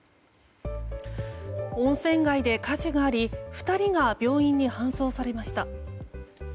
温泉街で火事があり２人が病院に搬送されました。